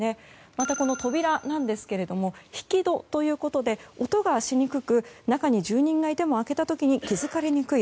また、扉なんですが引き戸ということで音がしにくく中に住人がいても開けた時に気づかれにくい。